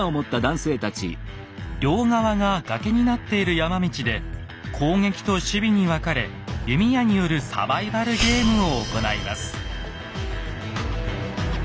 両側が崖になっている山道で攻撃と守備に分かれ弓矢によるサバイバルゲームを行います。